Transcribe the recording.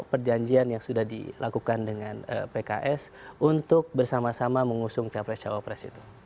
perjanjian yang sudah dilakukan dengan pks untuk bersama sama mengusung capres cawapres itu